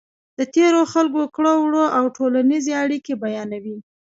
د تېرو خلکو کړو وړه او ټولنیزې اړیکې بیانوي.